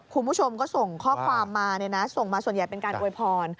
คุณผู้ชมก็ส่งข้อความมาเนี่ยนะส่งมาส่วนใหญ่เป็นการอวยพร